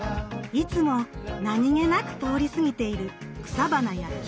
いつも何気なく通り過ぎている草花や木々。